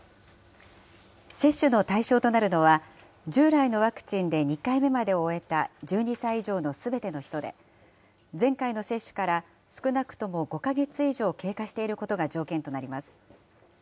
接種の対象となるのは、従来のワクチンで２回目まで終えた１２歳以上のすべての人で、前回の接種から少なくとも５か月以上経過していることが条件となります。